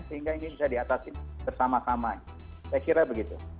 sehingga ini bisa diatasi bersama sama saya kira begitu